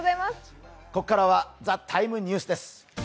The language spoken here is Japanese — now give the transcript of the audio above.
ここからは「ＴＨＥＴＩＭＥ，ニュース」です。